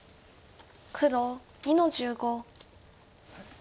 黒２の十五。